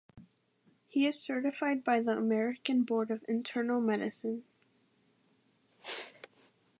He is certified by the American Board of Internal Medicine.